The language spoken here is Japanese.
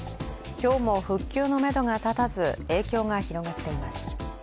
今日も復旧のめどが立たず影響が広がっています。